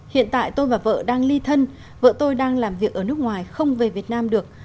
hiện tại tôi và vợ đang ly thân vợ tôi đang làm việc ở nước ngoài không về việt nam được